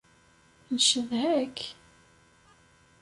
Ncedha-k.